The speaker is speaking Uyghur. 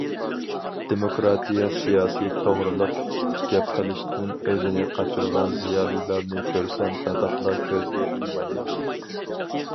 دېموكراتىيە، سىياسىي توغرىلىق گەپ قىلىشتىن ئۆزىنى قاچۇرغان زىيالىيلارنى كۆرسەم، پەقەتلا كۆزگە ئىلمايمەن.